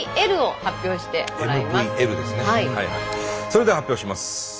それでは発表します。